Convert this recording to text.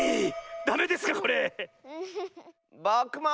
ダメですかこれ⁉ぼくも！